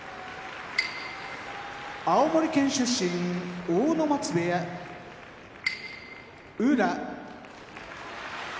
青森県出身阿武松部屋宇良